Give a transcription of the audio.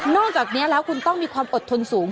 จากนี้แล้วคุณต้องมีความอดทนสูง